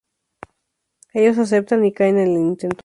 Ellos aceptan, y caen en el intento.